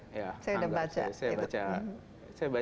hunger saya sudah baca